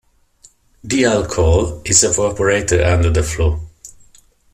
The alcohol is evaporated under the flow.